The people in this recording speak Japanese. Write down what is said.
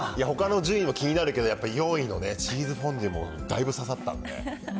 ほかの順位も気になるけど、やっぱり４位のチーズフォンデュもだいぶ刺さったんで。